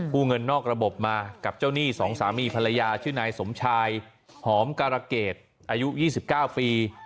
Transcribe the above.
เงินนอกระบบมากับเจ้าหนี้สองสามีภรรยาชื่อนายสมชายหอมการะเกดอายุ๒๙ปี